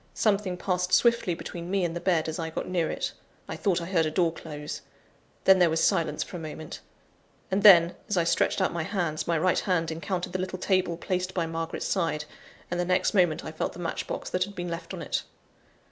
Something passed swiftly between me and the bed, as I got near it. I thought I heard a door close. Then there was silence for a moment; and then, as I stretched out my hands, my right hand encountered the little table placed by Margaret's side, and the next moment I felt the match box that had been left on it.